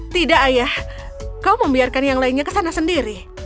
tidak ayah kau membiarkan yang lainnya ke sana sendiri